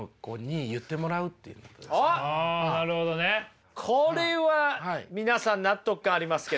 あなるほどね。これは皆さん納得感ありますけど。